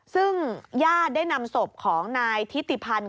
ซึ่งญาติได้นำศพของนายทิติพันธ์